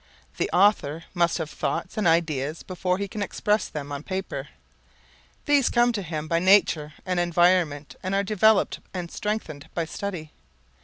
The author must have thoughts and ideas before he can express them on paper. These come to him by nature and environment and are developed and strengthened by study.